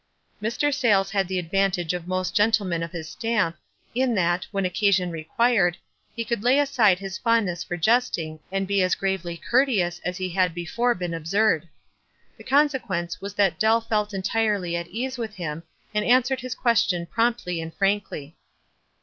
Mr. Sayles had the advantage of most gen tlemen of his stamp, in that, when occasion required, he could la} 7 aside his fondness for jesting, and be as gravely courteous as he had before been absurd. The consequence was that Dell felt entirely at ease with him, and answered his question promptly and frankly.